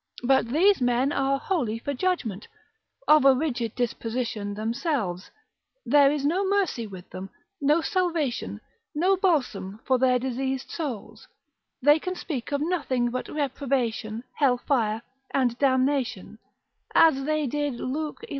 But these men are wholly for judgment; of a rigid disposition themselves, there is no mercy with them, no salvation, no balsam for their diseased souls, they can speak of nothing but reprobation, hell fire, and damnation; as they did Luke xi.